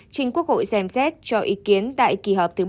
chính quốc hội xem xét cho ý kiến tại kỳ họp thứ bảy